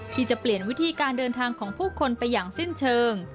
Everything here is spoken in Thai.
ที่จะเปลี่ยนวิธีการเดินทางของผู้คนไปอย่างสิ้นเชิง